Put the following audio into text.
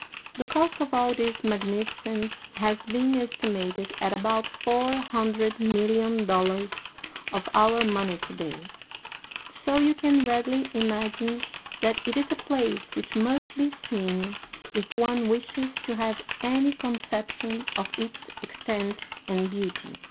The cost of all this magnificence has been estimated at about four hundred million dollars of our money to day, so you can readily imagine that it is a place which must be seen if one wishes to have any conception of its extent and beauty.